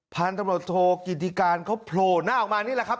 พันธบทกิจการเขาโผล่น่าออกมานี่แหละครับ